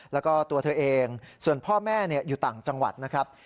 แล้วก็ตัวเธอเองส่วนพ่อแม่อยู่ต่างจังหวัดนะครับ